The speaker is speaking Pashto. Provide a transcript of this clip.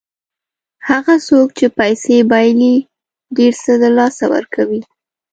هغه څوک چې پیسې بایلي ډېر څه له لاسه ورکوي.